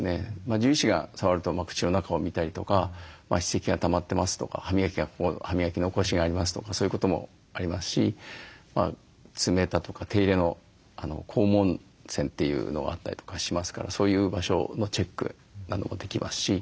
獣医師が触ると口の中を診たりとか歯石がたまってますとか歯磨き残しがありますとかそういうこともありますし爪だとか手入れの肛門腺というのがあったりとかしますからそういう場所のチェックなどもできますし。